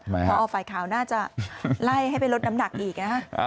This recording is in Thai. พอฝ่ายข่าวน่าจะไล่ให้ไปลดน้ำหนักอีกนะฮะ